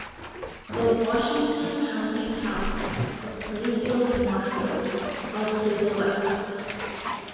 The Washington County towns of Plainfield and Marshfield are to the west.